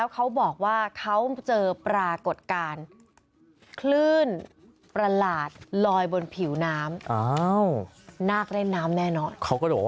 คุณค้าเนี่ยคุณค้าเนี่ยคุณค้า